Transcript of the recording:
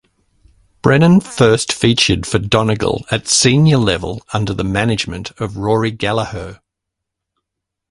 Brennan first featured for Donegal at senior level under the management of Rory Gallagher.